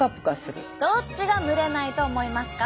どっちが蒸れないと思いますか？